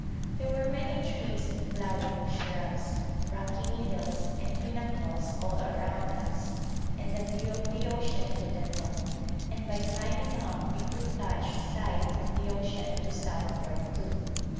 There were many trees and flowering shrubs, rocky needles, and pinnacles all around us, and a view of the ocean to the north; and by climbing up we could catch sight of the ocean to southward too.